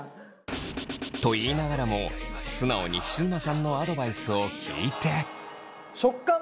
と言いながらも素直に菱沼さんのアドバイスを聞いて。